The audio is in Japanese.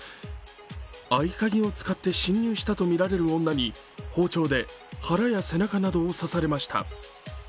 合鍵を使って侵入したとみられる女に包丁で腹や背中などを刺されました。